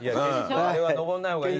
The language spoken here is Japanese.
あれは上んない方がいい。